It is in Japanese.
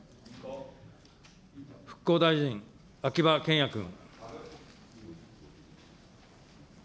復興大臣、秋葉賢也君。